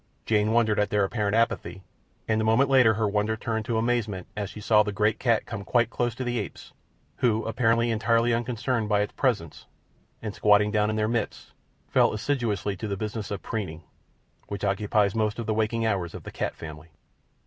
Jane wondered at their apparent apathy, and a moment later her wonder turned to amazement as she saw the great cat come quite close to the apes, who appeared entirely unconcerned by its presence, and, squatting down in their midst, fell assiduously to the business of preening, which occupies most of the waking hours of the cat family.